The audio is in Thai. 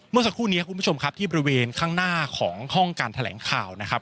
เมื่อสักครู่นี้คุณผู้ชมครับที่บริเวณข้างหน้าของห้องการแถลงข่าวนะครับ